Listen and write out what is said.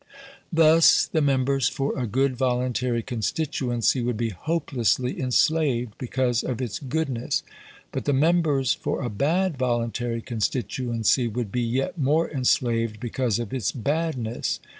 Thus, the members for a good voluntary constituency would be hopelessly enslaved, because of its goodness; but the members for a bad voluntary constituency would be yet more enslaved because of its badness.